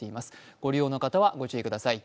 ご利用の方はご注意ください。